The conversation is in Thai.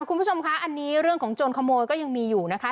คุณผู้ชมคะอันนี้เรื่องของโจรขโมยก็ยังมีอยู่นะคะ